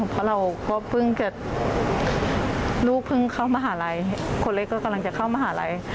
เพราะเราก็เพิ่งจะลูกเพิ่งเข้ามหาลัยคนเล็กก็กำลังจะเข้ามหาลัย